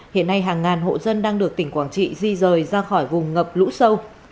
hiện nay hàng ngàn hộ dân đang được tỉnh quảng trị di rời ra khỏi vùng ngập lũ sâu